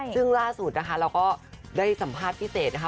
ซึ่งล่าสุดนะคะเราก็ได้สัมภาษณ์พิเศษนะคะ